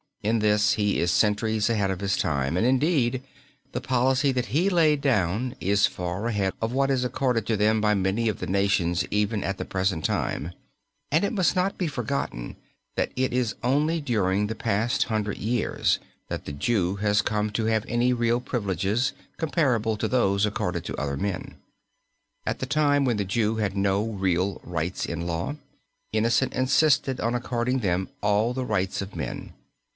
In this he is centuries ahead of his time and, indeed, the policy that he laid down is far ahead of what is accorded to them by many of the nations even at the present time, and it must not be forgotten that it is only during the past hundred years that the Jew has come to have any real privileges comparable to those accorded to other men. At a time when the Jew had no real rights in law, Innocent insisted on according them all the rights of men.